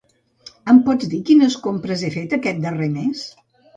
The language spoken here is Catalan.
Em pots dir quines compres he fet aquest darrer mes?